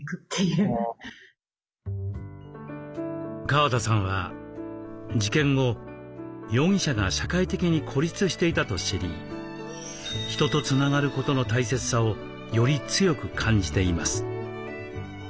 川田さんは事件後容疑者が社会的に孤立していたと知り人とつながることの大切さをより強く感じています。